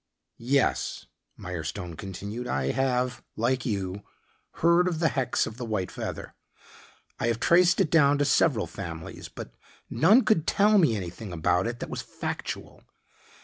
"Yes," Mirestone continued. "I have, like you, heard of the hex of the white feather. I have traced it down to several families, but none could tell me anything about it that was factual.